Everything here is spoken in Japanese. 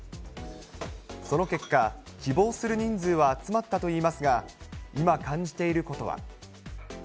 その結果、希望する人数は集まったといいますが、今、感じていることは。